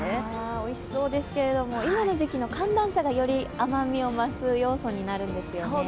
おいしそうですけれども、今の時期の寒暖差がより甘みを増す要素になるんですよね。